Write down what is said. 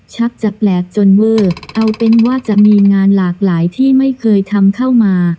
จะแปลกจนเวอร์เอาเป็นว่าจะมีงานหลากหลายที่ไม่เคยทำเข้ามา